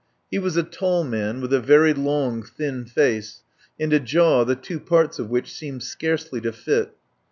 He was a tall man, with a very long, thin face, and a jaw the two parts of which seemed scarcely to fit.